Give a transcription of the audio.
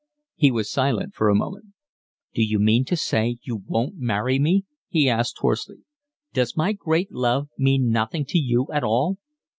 He was silent for a moment. "D'you mean to say you won't marry me?" he asked hoarsely. "Does my great love mean nothing to you at all?"